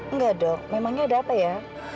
enggak dok memangnya ada apa ya